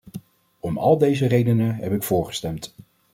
Om al deze redenen heb ik voor gestemd.